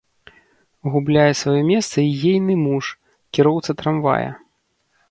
Губляе сваё месца й ейны муж, кіроўца трамвая.